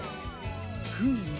フーム。